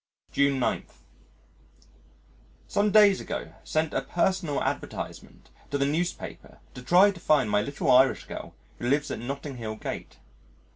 June 9. Some days ago sent a personal advertisement to the newspaper to try to find my little Irish girl who lives at Notting Hill Gate.